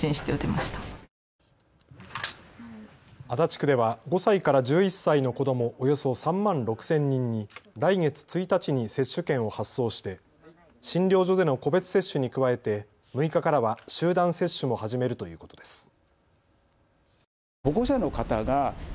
足立区では５歳から１１歳の子ども、およそ３万６０００人に来月１日に接種券を発送して診療所での個別接種に加えて６日からは集団接種も始めるということです。